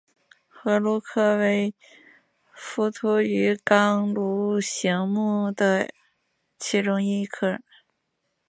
河鲈科为辐鳍鱼纲鲈形目的其中一个科。